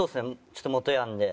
ちょっと元ヤンで。